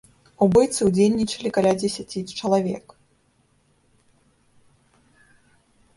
У бойцы ўдзельнічалі каля дзесяці чалавек.